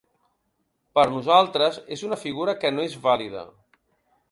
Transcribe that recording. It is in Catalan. Per nosaltres és una figura que no és vàlida.